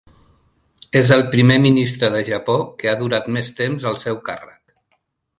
És el primer ministre de Japó que ha durat més temps al seu càrrec.